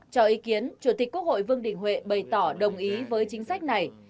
cho ý kiến chủ tịch quốc hội vương đình huệ bày tỏ đồng ý với chính sách này